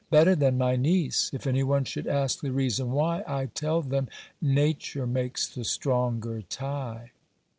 better than my niece! If any one should ask the reason why, I'd tell them Nature makes the stronger tie!